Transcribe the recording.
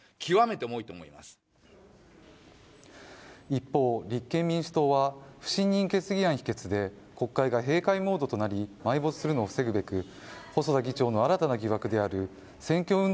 一方、立憲民主党は不信任決議案否決で国会が閉会モードとなり埋没するのを防ぐために、細田議長の新たな疑惑である選挙運